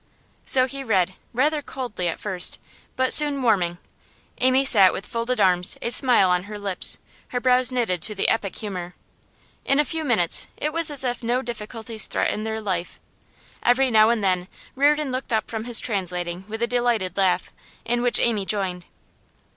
So he read, rather coldly at first, but soon warming. Amy sat with folded arms, a smile on her lips, her brows knitted to the epic humour. In a few minutes it was as if no difficulties threatened their life. Every now and then Reardon looked up from his translating with a delighted laugh, in which Amy joined.